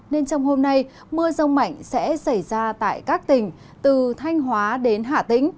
nên trong hôm nay mưa rông mạnh sẽ xảy ra tại các tỉnh từ thanh hóa đến hạ tĩnh